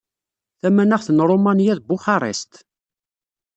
Tamanaɣt n Ṛumanya d Buxarest.